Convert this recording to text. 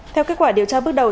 theo kết quả điều tra bước đầu